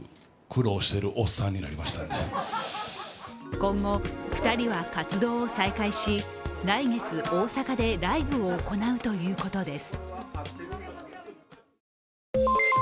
今後、２人は活動を再開し来月大阪でライブを行うということです。